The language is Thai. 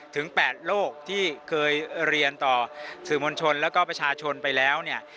ถึง๘โลกที่เคยเรียนต่อสื่อมวลชนแล้วก็ประชาชนไปแล้วเนี่ย